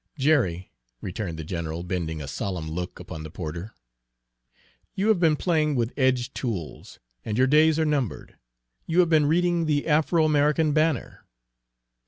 "Jerry," returned the general, bending a solemn look upon the porter, "you have been playing with edged tools, and your days are numbered. You have been reading the Afro American Banner."